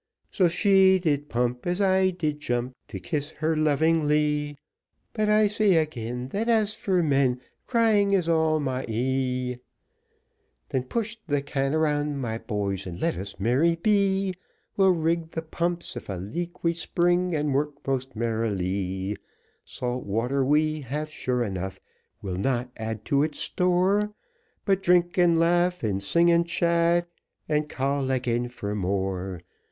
So she did pump, As I did jump To kiss her lovingly, But, I say again, That as for men, Crying is all my eye. Then push the can around, my boys, and let us merry be; We'll rig the pumps if a leak we spring, and work most merrily: Salt water we have sure enough, we'll add not to its store, But drink, and laugh, and sing and chat, and call again for more.